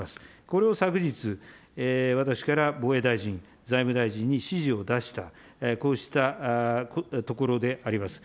これを昨日、私から防衛大臣、財務大臣に指示を出した、こうしたところであります。